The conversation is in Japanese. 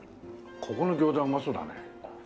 ここの餃子うまそうだね。